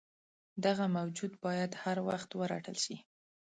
دغه موجود باید هروخت ورټل شي.